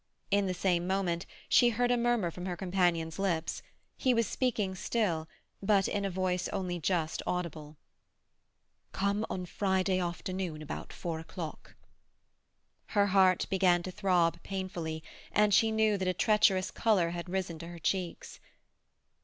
In the same moment she heard a murmur from her companion's lips; he was speaking still, but in a voice only just audible. "Come on Friday afternoon about four o'clock." Her heart began to throb painfully, and she knew that a treacherous colour had risen to her checks.